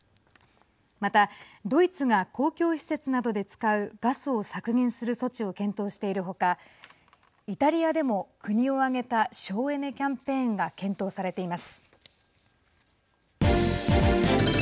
またドイツが公共施設などで使うガスを削減する措置を検討しているほかイタリアでも国を挙げた省エネキャンペーンが検討されています。